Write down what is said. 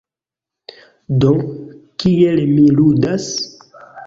Do, kiel mi ludas?